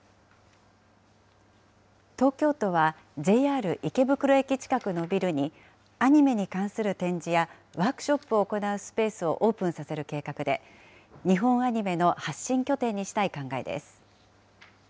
東京都は、ＪＲ池袋駅近くのビルに、アニメに関する展示やワークショップを行うスペースをオープンさせる計画で、日本アニメの発信拠点にしたい考えです。